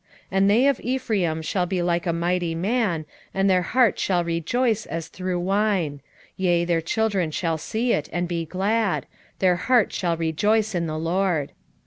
10:7 And they of Ephraim shall be like a mighty man, and their heart shall rejoice as through wine: yea, their children shall see it, and be glad; their heart shall rejoice in the LORD.